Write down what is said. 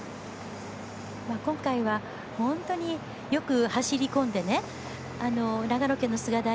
今回は本当によく走り込んで長野県の菅平